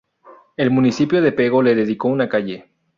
El municipio de Pego le dedicó una calle.